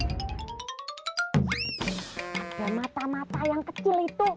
ada mata mata yang kecil itu